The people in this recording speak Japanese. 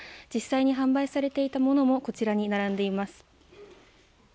実際に販売されていたものもこちらに並んでいます。